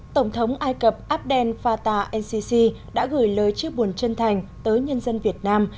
tổng thống ai cập abdel fatah el sisi đã gửi lời chia buồn chân thành tới nhân dân việt nam